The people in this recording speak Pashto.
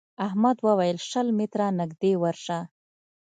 احمد وويل: شل متره نږدې ورشه.